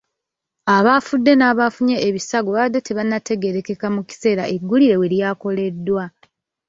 Abafudde n'abaafunye ebisago baabadde tebannategeerekeka mu kiseera eggulire we lyakoleddwa.